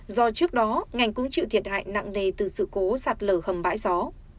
do trước đó ngành cũng chịu thiệt hại nặng nề từ sự cố sạt lở hầm bãi gió